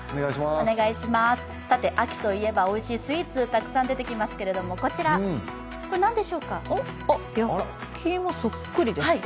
秋といえばおいしいスイーツ、たくさん出てきますけれども、焼き芋そっくりですって。